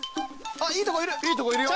いいとこいるよ